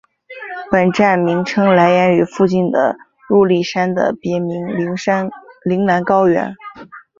本站名称来源于附近的入笠山的别名铃兰高原。